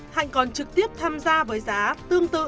hạnh còn trực tiếp tham gia với giá tương tự